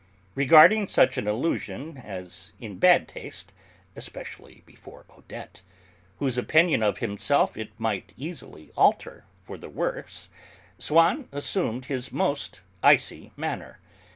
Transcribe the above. Regarding such an allusion as in bad taste, especially before Odette, whose opinion of himself it might easily alter for the worse, Swann assumed his most icy manner.